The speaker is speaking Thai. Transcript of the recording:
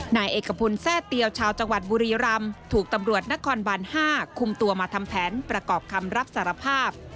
นายเอกพลแทร่เตียวชาวจังหวัดบุรีรำถูกตำรวจนครบาน๕คุมตัวมาทำแผนประกอบคำรับสารภาพ